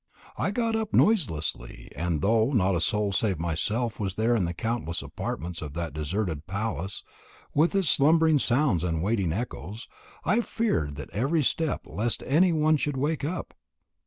I got up noiselessly, and, though not a soul save myself was there in the countless apartments of that deserted palace with its slumbering sounds and waiting echoes, I feared at every step lest any one should wake up.